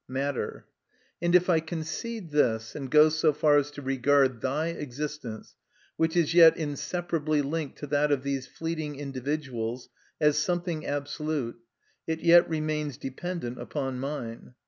Matter. And if I concede this, and go so far as to regard thy existence, which is yet inseparably linked to that of these fleeting individuals, as something absolute, it yet remains dependent upon mine.